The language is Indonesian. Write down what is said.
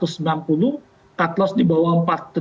cut loss di bawah empat ribu enam ratus empat puluh